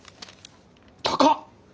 高っ！